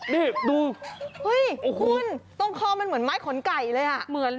นี่ดูคุณต้มคอมันเหมือนไม้ขนไก่เลย